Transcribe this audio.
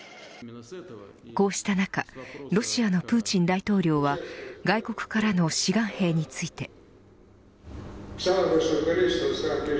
こうした中ロシアのプーチン大統領は外国からの志願兵について。